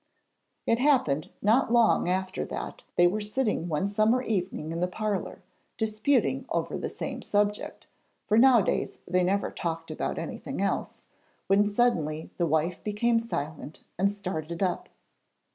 It happened not long after that they were sitting one summer evening in the parlour, disputing over the same subject for nowadays they never talked about anything else when suddenly the wife became silent and started up.